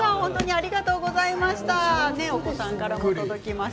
ありがとうございます。